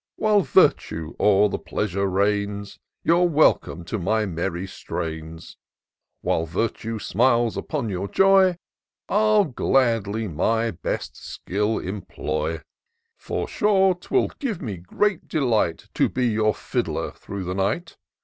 While virtue o'er your pleasure reigns, You're welcome to my merry strains : While virtue smiles upon your joy, I'll gladly my best skill employ ; 196 TOUR OF DOCTOR SYNTAX For sure, 'twill give me great delight To be your Fiddler through the night.